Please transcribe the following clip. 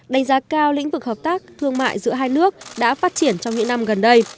đánh giá cao lĩnh vực hợp tác thương mại giữa hai nước đã phát triển trong những năm gần đây